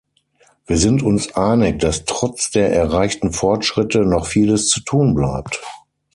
Wir sind uns einig, dass trotz der erreichten Fortschritte noch vieles zu tun bleibt.